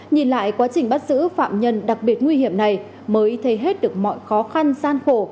nhìn lại quá trình bắt giữ phạm nhân đặc biệt nguy hiểm này mới thấy hết được mọi khó khăn gian khổ